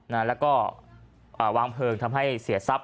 นั้นก็วางเพลิงทำให้เสี่ยทสัพท์